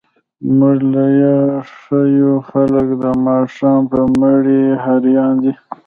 موږ ليا ښه يو، خلګ د ماښام په مړۍ هريان دي.